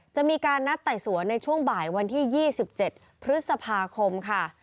จะมีการนัดไต่สวนในช่วงบ่ายวันที่๒๗พฤษภาคมค่ะ